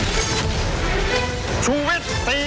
คนเลี่ยวเราไม่ต้องการ